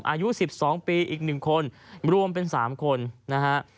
อายุ๑๒ปีอีก๑คนรวมเป็น๓คนนะฮะ